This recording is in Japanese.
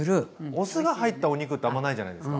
お酢が入ったお肉ってあんまないじゃないですか。